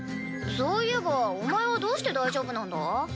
そういえばお前はどうして大丈夫なんだ？